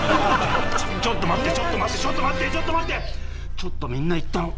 ちょっと待ってちょっと待ってちょっと待ってちょっと待って！